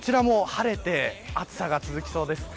こちらも晴れて暑さが続きそうです。